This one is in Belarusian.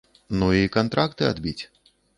Ну і кантракты адбіць.